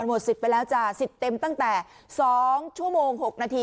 มันหมดสิบไปแล้วจ้าสิบเต็มตั้งแต่สองชั่วโมงหกนาที